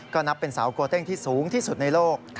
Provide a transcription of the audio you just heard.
ก็นับเป็นสาวโกเต้งที่สูงที่สุดในโลก